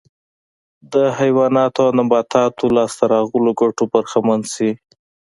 د حیواناتو او نباتاتو لاسته راغلو ګټو برخمن شي